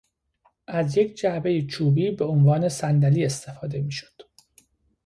از یک جعبهی چوبی به عنوان صندلی استفاده میشد.